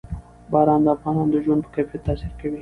باران د افغانانو د ژوند په کیفیت تاثیر کوي.